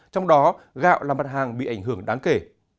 trong đó gạo là mặt hàng bị ảnh hưởng đáng kể